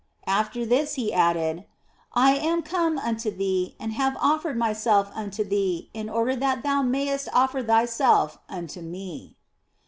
After this He added, " I am come unto thee and have offered Myself unto thee in order that thou mayest offer thyself unto Me."